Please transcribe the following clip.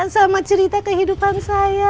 sama cerita kehidupan saya